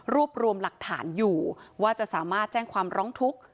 รวบรวมหลักฐานอยู่ว่าจะสามารถแจ้งความร้องทุกข์